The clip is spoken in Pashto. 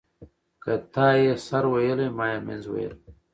ـ که تا يې سر ويلى ما يې منځ ويلى.